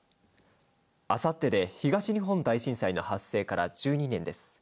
あさってで東日本大震災の発生から１２年です。